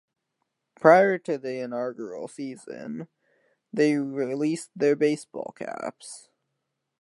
Prior to their inaugural season, they released their baseball caps.